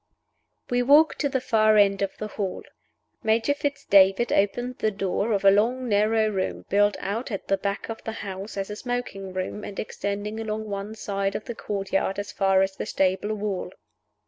We walked to the far end of the hall. Major Fitz David opened the door of a long, narrow room built out at the back of the house as a smoking room, and extending along one side of the courtyard as far as the stable wall.